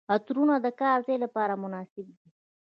عطرونه د کار ځای لپاره مناسب دي.